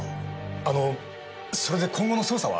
あのそれで今後の捜査は？